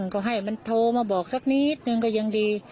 ก็ให้มันโทรมาบอกสักนิดนึงก็ยังดี